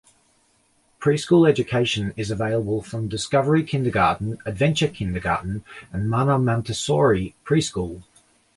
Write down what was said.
Preschool education is available from Discovery Kindergarten, Adventure Kindergarten and Mana Montessori Preschool.